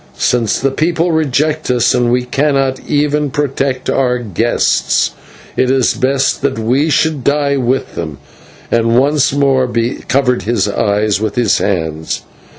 Since the people reject us, and we cannot even protect our guests, it is best that we should die with them," and once more he covered his eyes with his hands.